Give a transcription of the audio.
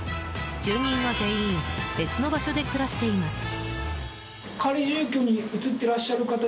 住人は全員別の場所で暮らしています。